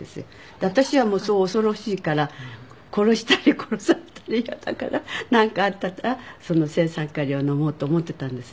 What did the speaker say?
で私はもう恐ろしいから殺したり殺されたり嫌だからなんかあったらその青酸カリを飲もうと思っていたんですね。